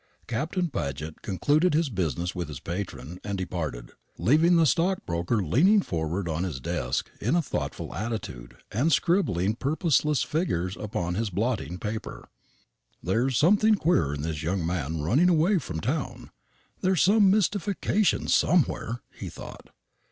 Captain Paget concluded his business with his patron and departed, leaving the stockbroker leaning forward upon his desk in a thoughtful attitude and scribbling purposeless figures upon his blotting paper. "There's something queer in this young man running away from town; there's some mystification somewhere," he thought.